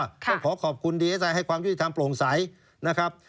แล้วขอขอบคุณดีให้ความยุติธรรมโปร่งใสนะครับ